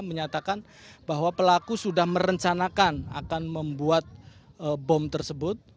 menyatakan bahwa pelaku sudah merencanakan akan membuat bom tersebut